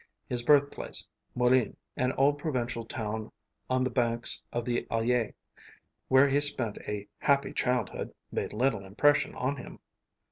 His birthplace, Moulins, an old provincial town on the banks of the Allier, where he spent a happy childhood, made little impression on him.